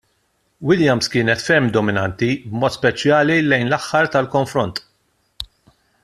Williams kienet ferm dominanti, b'mod speċjali lejn l-aħħar tal-konfront.